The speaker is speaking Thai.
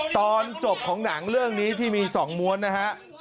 ตอนจบของหนังเรื่องนี้ที่มี๒ม้วนนะฮะ